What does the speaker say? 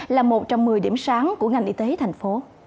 là một trong một mươi điểm sáng của ngành y tế tp